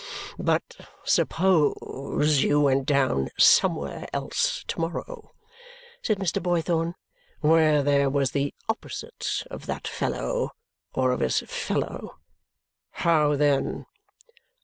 "But suppose you went down somewhere else to morrow," said Mr. Boythorn, "where there was the opposite of that fellow or of this fellow. How then?"